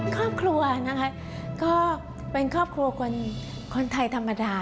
ครอบครัวนะคะก็เป็นครอบครัวคนไทยธรรมดา